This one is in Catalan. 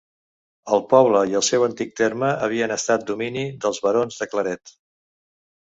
El poble i el seu antic terme havien estat domini dels barons de Claret.